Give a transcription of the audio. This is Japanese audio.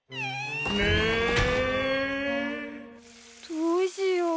どうしよう。